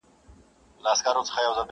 که ګوربت سي زموږ پاچا موږ یو بېغمه؛